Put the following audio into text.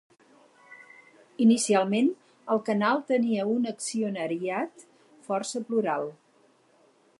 Inicialment, el canal tenia un accionariat força plural.